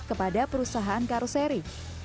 kepada perusahaan karuseri